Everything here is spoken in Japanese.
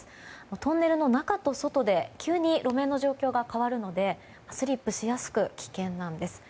トンネルの中と外で急に路面の状況が変わるのでスリップしやすく危険なんです。